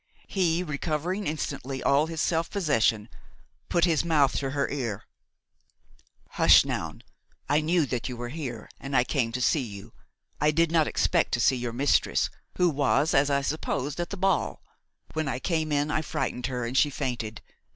He, recovering instantly all his self possession, put his mouth to her ear. "Hush, Noun! I knew that you were here and I came to see you. I did not expect to see your mistress, who was, as I supposed, at the ball. When I came in I frightened her and she fainted.